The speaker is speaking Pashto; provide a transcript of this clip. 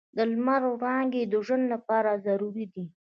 د لمر وړانګې د ژوند لپاره ضروري دي.